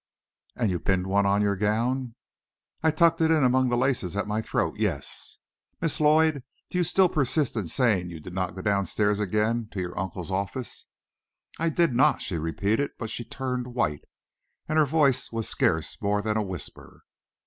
"And you pinned one on your gown?" "I tucked it in among the laces at my throat, yes." "Miss Lloyd, do you still persist in saying you did not go down stairs again, to your uncle's office?" "I did not," she repeated, but she turned white, and her voice was scarce more than a whisper.